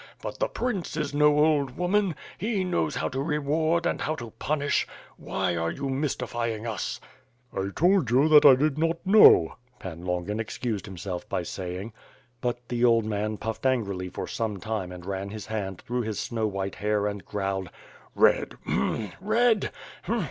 But the prince is no old woman — he knows how to reward and how to punish. ... Why are you mystifying usl "I told you that I did not know," Pan Longin excused him self by saying. But the old man puffed angrily for some time and ran his hand through his snow white hair and growled: "Eed! Hm! Eed!